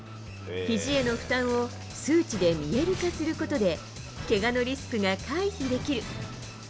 ひじへの負担を数値で見える化することで、けがのリスクが回避できる。